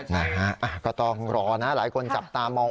นะฮะก็ต้องรอนะหลายคนจับตามอง